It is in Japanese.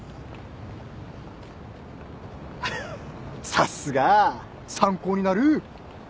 さすが参考になる。